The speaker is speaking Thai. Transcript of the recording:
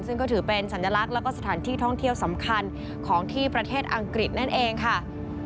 ซึ่งก็ถือเป็นสัญลักษณ์แล้วก็สถานที่ท่องเที่ยวสำคัญของที่ประเทศอังกฤษนั่นเองค่ะ